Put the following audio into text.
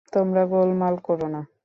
তোমরা গোলমাল কোরো না।